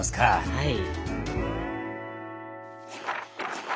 はい。